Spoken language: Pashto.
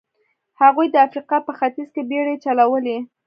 هغوی د افریقا په ختیځ کې بېړۍ چلولې.